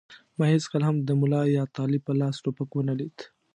ما هېڅکله هم د ملا یا طالب په لاس ټوپک و نه لید.